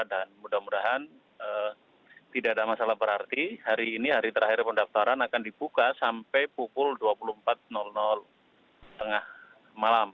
dan mudah mudahan tidak ada masalah berarti hari ini hari terakhir pendaftaran akan dibuka sampai pukul dua puluh empat tengah malam